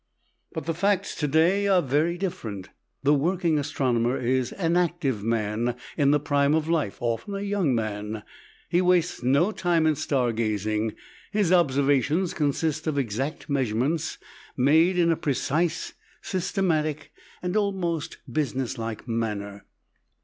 But the facts to day are very different. The working astronomer is an active man in the prime of life, often a young man. He wastes no time in star gazing. His observations consist of exact measurements made in a precise, systematic, and almost business like manner.